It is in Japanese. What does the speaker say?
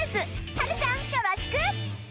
ハグちゃんよろしく！